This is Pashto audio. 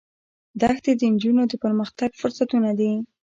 دښتې د نجونو د پرمختګ فرصتونه دي.